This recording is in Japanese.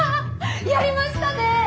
やりましたね！